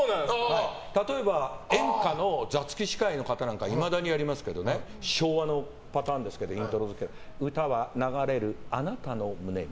例えば演歌の座付き司会の方なんかいまだにやりますけど昭和のパターンですけど歌は流れるあなたの胸に。